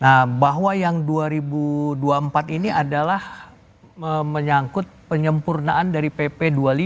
nah bahwa yang dua ribu dua puluh empat ini adalah menyangkut penyempurnaan dari pp dua puluh lima